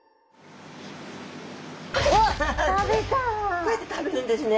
こうやって食べるんですね。